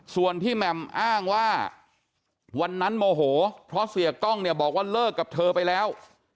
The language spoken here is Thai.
ส่วนที่แหม่มอ้างว่าวันนั้นโมโหเพราะเสียกล้องเนี่ยบอกว่าเลิกกับเธอไปแล้ว